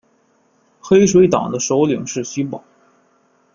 黑水党的首领是徐保。